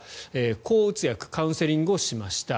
抗うつ薬カウンセリングをしました。